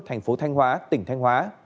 thành phố thanh hóa tỉnh thanh hóa